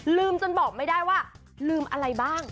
จนบอกไม่ได้ว่าลืมอะไรบ้าง